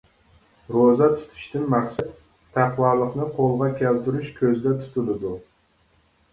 روزا تۇتۇشتىن مەقسەت تەقۋالىقنى قولغا كەلتۈرۈش كۆزدە تۇتۇلىدۇ.